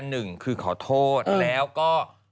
หนึ่งคือขอโทษแล้วก็